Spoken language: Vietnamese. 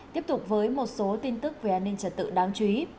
tiếp tục với một số tin tức về an ninh trật tự đáng chú ý